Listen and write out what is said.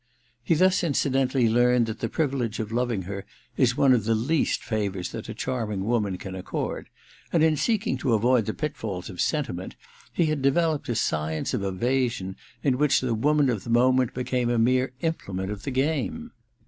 He thus incidentally learned that the privilege of loving her is one of the least favours that a charming woman can accord ; and in seeking to avoid the pitfalls of sentiment he had developed a science of evasion in which the woman of the moment became a mere implement of the game.